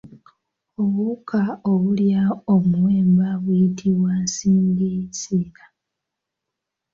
Obuwuka obulya omuwemba buyitibwa nsingisira.